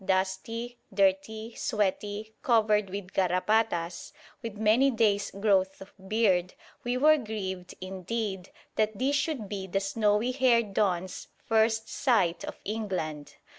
Dusty, dirty, sweaty, covered with garrapatas, with many days' growth of beard, we were grieved indeed that this should be the snowy haired Don's first sight of England.